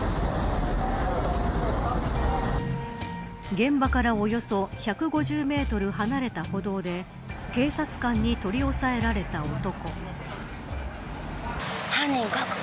現場からおよそ１５０メートル離れた歩道で警察官に取り押さえられた男。